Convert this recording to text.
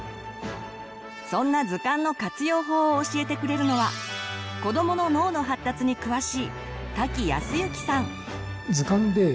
そんな図鑑の活用法を教えてくれるのは子どもの脳の発達に詳しい瀧靖之さん。